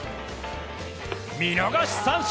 見逃し三振！